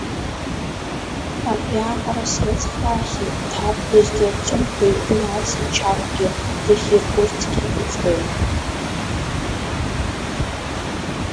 Абриаҟара слыцхраахьеит, ҭаб лыздырӡом ҳәа игәы иалсит Чагәгьы, дахьирхәырцгьы иӡбит.